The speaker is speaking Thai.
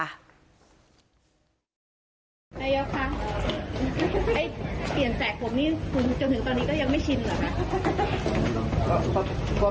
นายกคะเปลี่ยนแจกผมนี่คุณจนถึงตอนนี้ก็ยังไม่ชินเหรอคะ